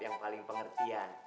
yang paling pengertian